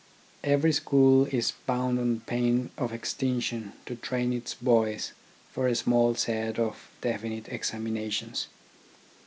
Every school is bound on pain of extinction to train its boys for a small set of definite examinations.